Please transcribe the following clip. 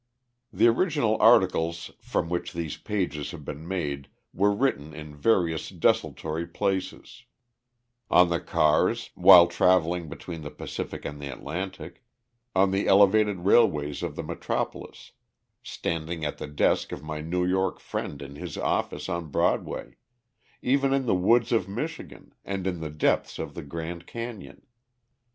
The original articles from which these pages have been made were written in various desultory places, on the cars, while traveling between the Pacific and the Atlantic, on the elevated railways of the metropolis, standing at the desk of my New York friend in his office on Broadway, even in the woods of Michigan and in the depths of the Grand Canyon.